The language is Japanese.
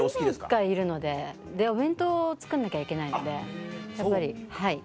娘がいるのでお弁当作んなきゃいけないのでやっぱりはい。